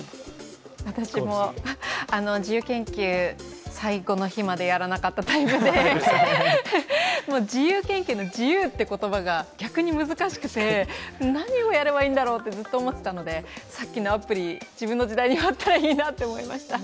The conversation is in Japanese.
私も自由研究、最後の日までやらなかったタイプで自由研究の「自由」って言葉が逆に難しくて、何をやればいいんだろうってずっと思っていたのでさっきのアプリ、自分の時代にあったらいいなと思いました。